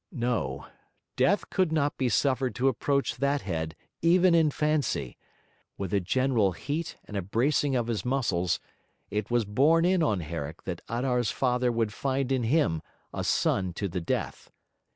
No, death could not be suffered to approach that head even in fancy; with a general heat and a bracing of his muscles, it was borne in on Herrick that Adar's father would find in him a son to the death.